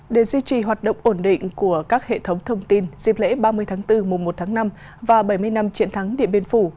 để duy trì hoạt động ổn định của các hệ thống thông tin dịp lễ ba mươi tháng bốn mùa một tháng năm và bảy mươi năm triển thắng điện biên phủ